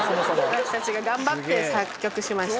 私たち頑張って作曲しました。